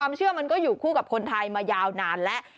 เชื่อมันก็อยู่คู่กับคนไทยมายาวนานแล้ว